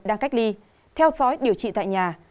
đang cách ly theo sói điều trị tại nhà